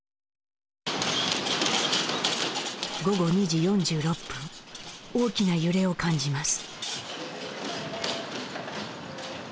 午後２時４６分大きな揺れを感じます。